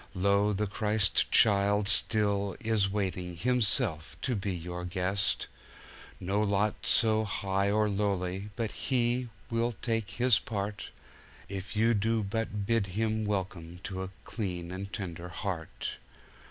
Lo! the Christ child still is waiting Himself to be your guest; No lot so high or lowly but He will take His part, If you do but bid Him welcome to a clean and tender heart.